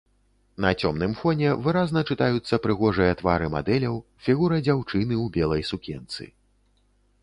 На цёмным фоне выразна чытаюцца прыгожыя твары мадэляў, фігура дзяўчыны ў белай сукенцы.